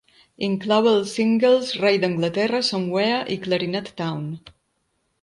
Inclou els singles "rei d'Anglaterra", "Somewhere" i "clarinet Town".